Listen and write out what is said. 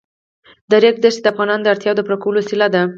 د ریګ دښتې د افغانانو د اړتیاوو د پوره کولو وسیله ده.